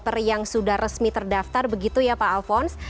dan developer yang sudah resmi terdaftar begitu ya pak alfons